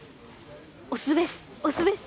押すべし押すべし。